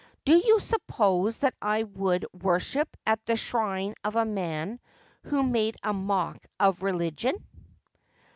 ' Do you suppose that I would worship at the shrine of a man who made a mock of religion